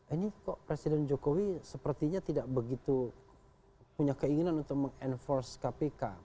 ini kok presiden jokowi sepertinya tidak begitu punya keinginan untuk meng enforce kpk